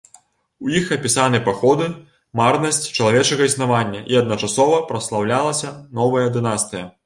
У іх апісаны паходы, марнасць чалавечага існавання і адначасова праслаўлялася новая дынастыя.